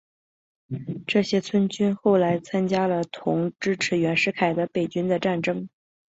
这些黔军后来参加了同支持袁世凯的北军的战争。